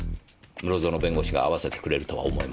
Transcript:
室園弁護士が会わせてくれるとは思えません。